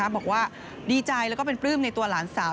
บอกว่าดีใจแล้วก็เป็นปลื้มในตัวหลานสาว